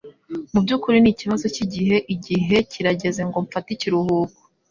Mubyukuri nikibazo cyigihe Igihe kirageze ngo mfate ikiruhuko.